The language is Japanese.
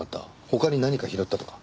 他に何か拾ったとか。